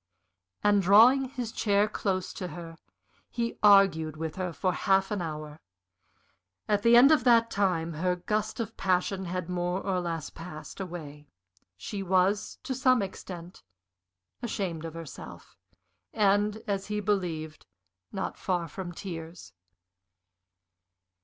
And, drawing his chair close to her, he argued with her for half an hour. At the end of that time her gust of passion had more or less passed away; she was, to some extent, ashamed of herself, and, as he believed, not far from tears.